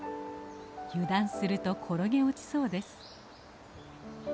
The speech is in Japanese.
油断すると転げ落ちそうです。